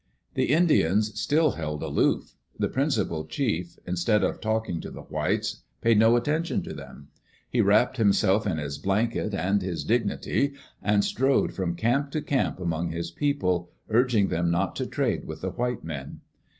The Indians still held aloof. The principal chief, in stead of talking to the whites, paid no attention to them. He wrapped himself "in his blanket and his dignity" and strode from camp to camp, among his people, urging them not to trade with the white men.